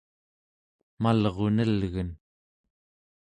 malrunelgen